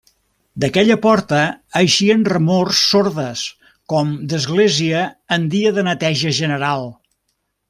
D'aquella porta eixien remors sordes com d'església en dia de neteja general.